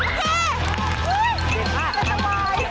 อีกแล้ว